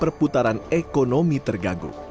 membuat perputaran ekonomi terganggu